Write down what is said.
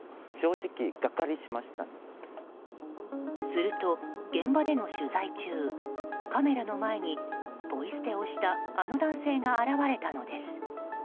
すると現場での取材中カメラの前にポイ捨てをしたあの男性が現れたのです。